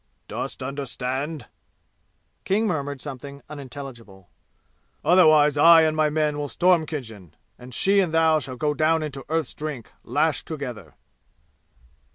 "Dost understand?" King murmured something unintelligible. "Otherwise, I and my men will storm Khinjan, and she and thou shall go down into Earth's Drink lashed together!"